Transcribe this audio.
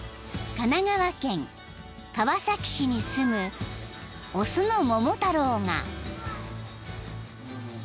［神奈川県川崎市に住む雄の桃太郎が］